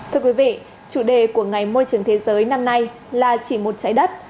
thưa quý vị chủ đề của ngày môi trường thế giới năm nay là chỉ một trái đất